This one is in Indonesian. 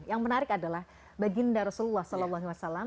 yang menarik adalah baginda rasulullah saw